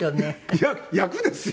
いや役ですよ。